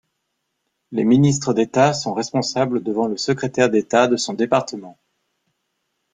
Les ministres d'État sont responsables devant le Secrétaire d'État de son département.